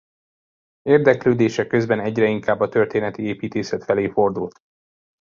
Érdeklődése közben egyre inkább a történeti építészet felé fordult.